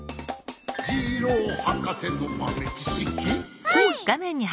「ジローはかせのまめちしき」ホイ！